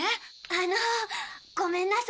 あのごめんなさい。